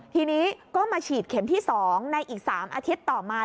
ทีนี้ก็มาฉีดเข็มที่๒ในอีก๓อาทิตย์ต่อมา